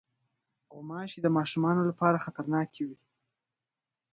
غوماشې د ماشومو لپاره خطرناکې وي.